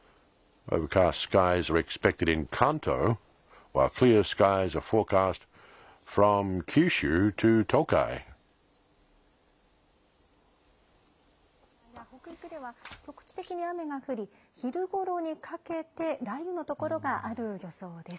また東北の日本海側や北陸では局地的に雨が降り、昼ごろにかけて、雷雨の所がある予想です。